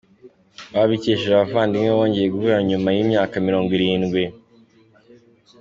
Babikesheje abavandimwe bongeye guhura nyuma y’imyaka mirongwirindwi